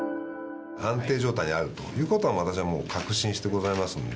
安定状態にあるということは、私はもう確信してございますので。